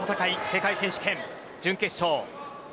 世界選手権準決勝。